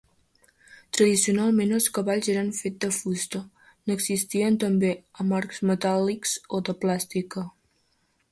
Tradicionalment els cavalls eren fet de fusta, n'existeixen també amb arcs metàl·lics o de plàstica.